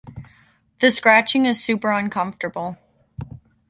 The scratching is super uncomfortable.